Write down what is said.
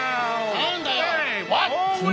何だよ！